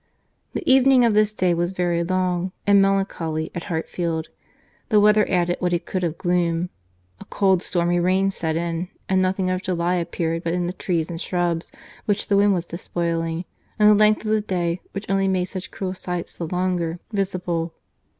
The evening of this day was very long, and melancholy, at Hartfield. The weather added what it could of gloom. A cold stormy rain set in, and nothing of July appeared but in the trees and shrubs, which the wind was despoiling, and the length of the day, which only made such cruel sights the longer visible.